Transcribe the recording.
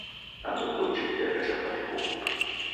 Nambe koichi kudeka chapati huw'u?